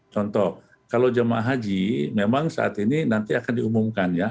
contoh kalau jemaah haji memang saat ini nanti akan diumumkan ya